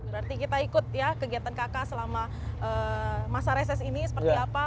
berarti kita ikut ya kegiatan kk selama masa reses ini seperti apa